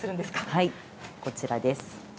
はい、こちらです。